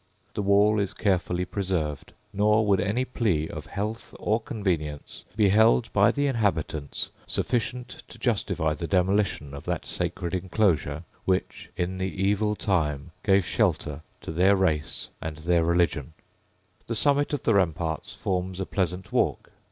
The wall is carefully preserved; nor would any plea of health or convenience be held by the inhabitants sufficient to justify the demolition of that sacred enclosure which, in the evil time, gave shelter to their race and their religion, The summit of the ramparts forms a pleasant walk.